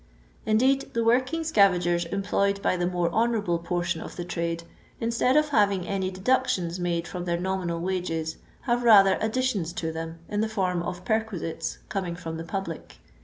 Indeed, the working scavagers employed by tlie more honourable portion of the trade, instead of having any deductions made from their nominal wages, have rather additions to them in the form of perquisites coming from the public.